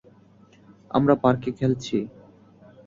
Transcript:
আমরা পার্কে খেলছি।